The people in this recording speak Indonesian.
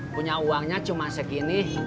punya uangnya cuma segini